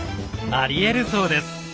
ありえるそうです。